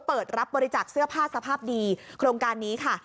เปิดรับบริจาคเสื้อผ้าสภาพดีโครงการนี้ค่ะ